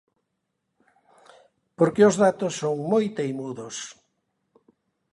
Porque os datos son moi teimudos.